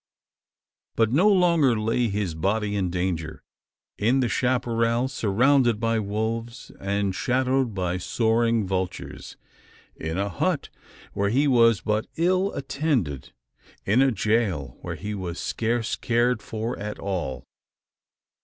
But no longer lay his body in danger in the chapparal, surrounded by wolves, and shadowed by soaring vultures, in a hut, where he was but ill attended in a jail, where he was scarce cared for at all.